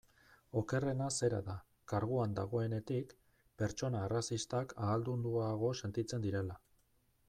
Okerrena zera da, karguan dagoenetik, pertsona arrazistak ahaldunduago sentitzen direla.